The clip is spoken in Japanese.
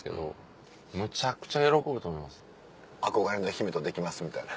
「憧れの姫とできます」みたいな？